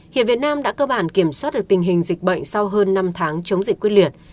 hiện việt nam đã cơ bản kiểm soát được tình hình dịch bệnh sau hơn năm tháng chống dịch quyết liệt